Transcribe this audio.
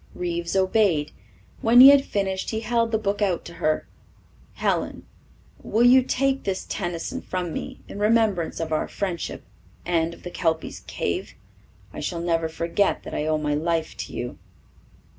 Reeves obeyed. When he had finished he held the book out to her. "Helen, will you take this Tennyson from me in remembrance of our friendship and of the Kelpy's Cave? I shall never forget that I owe my life to you."